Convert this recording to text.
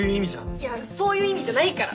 いやそういう意味じゃないから！